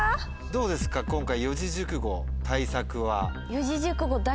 どうですか今回四字熟語対策は？